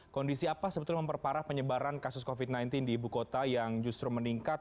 kondisi apa sebetulnya memperparah penyebaran kasus covid sembilan belas di ibu kota yang justru meningkat